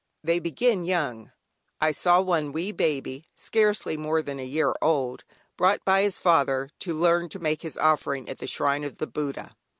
They begin young. I saw one wee baby, scarcely more than a year old, brought by his father to learn to make his offering at the shrine of Buddha.